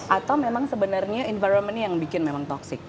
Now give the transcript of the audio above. atau memang sebenarnya environmentnya yang bikin memang toxic